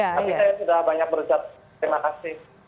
tapi saya sudah banyak berucap terima kasih